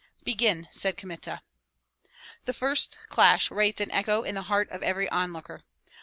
"Begin!" said Kmita. The first clash raised an echo in the heart of every onlooker.